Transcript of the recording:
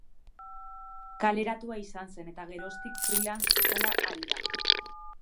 Kaleratua izan zen eta geroztik freelance bezala ari da.